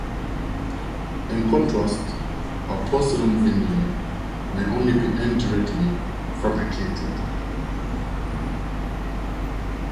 In contrast, a porcelain veneer may only be indirectly fabricated.